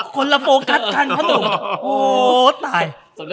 คนละโฟกัสกันโอ้วตาย